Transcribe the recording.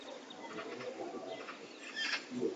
nyingine za twiga ambazo kwa kuwa gundua huwa ni rahisi sana